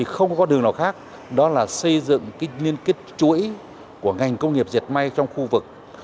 không có đường nào khác đó là xây dựng liên kết chuỗi của ngành công nghiệp diệt may trong khu vực